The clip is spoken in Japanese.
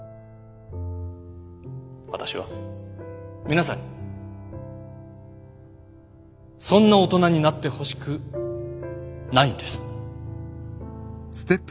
私は皆さんにそんな大人になってほしくないんです。